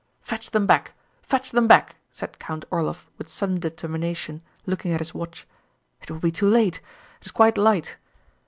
"Fetch them back, fetch them back!" said Count Orlóv with sudden determination, looking at his watch. "It will be too late. It is quite light."